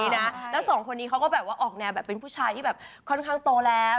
แล้วสองคนนี้เขาก็แบบว่าออกแนวแบบเป็นผู้ชายที่แบบค่อนข้างโตแล้ว